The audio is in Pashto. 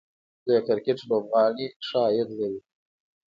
د کرکټ لوبغاړي ښه عاید لري